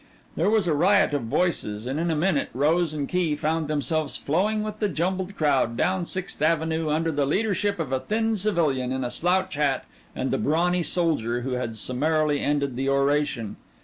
There was a riot of voices, and in a minute Rose and Key found themselves flowing with the jumbled crowd down Sixth Avenue under the leadership of a thin civilian in a slouch hat and the brawny soldier who had summarily ended the oration.